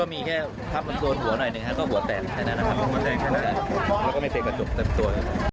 มีแค่ทับมันโดนหัวหน่อยหนึ่งครับก็หัวแตกแค่นั้นนะครับแล้วก็ไม่เป็นกระจกเต็มตัว